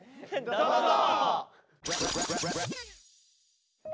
どうぞ！